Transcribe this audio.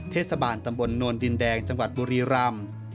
เทศบาลตำบลโนนดินแดงจังหวัดบุรีรำ